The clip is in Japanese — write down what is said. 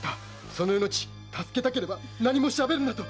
その命助けたければ何もしゃべるな」と！